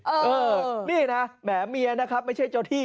เออนี่นะแหมเมียนะครับไม่ใช่เจ้าที่